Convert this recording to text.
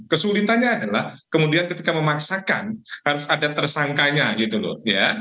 kesulitannya adalah kemudian ketika memaksakan harus ada tersangkanya gitu loh ya